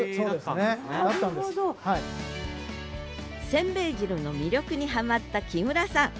せんべい汁の魅力にハマった木村さん。